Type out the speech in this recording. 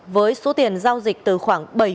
với số tiền giao dịch từ khoảng